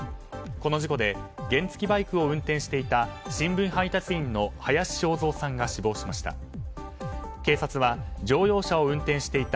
この事故で原付きバイクを運転していた新聞配達員の林正三さんが死亡しました。